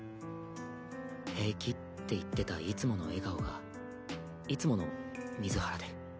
平気って言ってたいつもの笑顔がいつもの水原で。